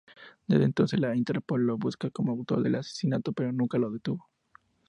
Desde entonces, la Interpol le buscó como autor del asesinato, pero nunca lo detuvo.